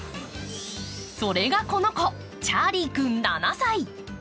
それが、この子、チャーリー君７歳。